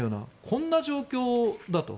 こんな状況だと。